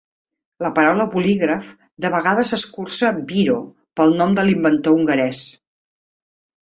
La paraula 'bolígraf' de vegades s'escurça 'biro' pel nom de l'inventor hongarès